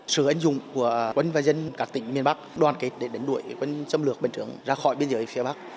sự anh dũng của quân và dân các tỉnh miền bắc đoàn kết để đánh đuổi quân xâm lược bệnh trưởng ra khỏi biên giới phía bắc